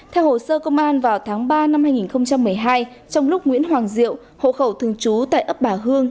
theo hồ sơ công an vào tháng ba năm hai nghìn một mươi hai trong lúc nguyễn hoàng diệu hộ khẩu thường trú tại ấp bà hương